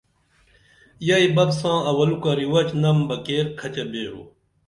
ییی بپ ساں اولُکہ رِوج نم بہ کیر کھچہ بیرو